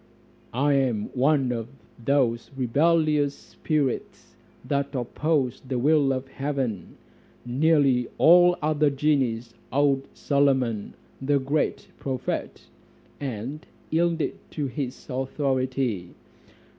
"I am one of those rebellious spirits that opposed the will of heaven; nearly all the other genies owned Solomon, the great prophet, and yielded to his authority.